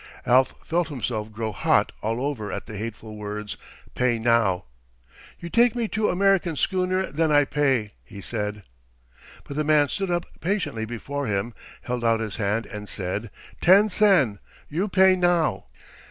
Alf felt himself grow hot all over at the hateful words "pay now." "You take me to American schooner; then I pay," he said. But the man stood up patiently before him, held out his hand, and said, "Ten sen. You pay now."